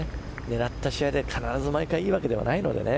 狙った試合が毎回いいわけではないのでね。